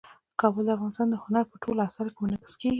کابل د افغانستان د هنر په ټولو اثارو کې منعکس کېږي.